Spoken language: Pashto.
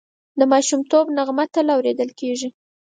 د ماشومتوب نغمه تل اورېدل کېږي